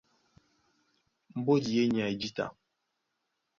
Mbódi í e nyay jǐta.